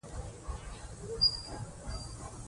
د واورې نوم مهم دی.